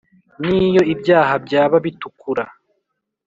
Niyo ibyaha byaba bitukura